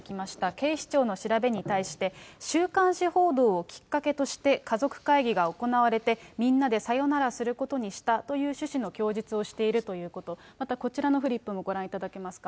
警視庁の調べに対して、週刊誌報道をきっかけとして家族会議が行われて、みんなでさよならすることにしたという趣旨の供述をしているということ、またこちらのフリップもご覧いただけますか。